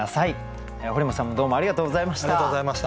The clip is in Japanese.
堀本さんもどうもありがとうございました。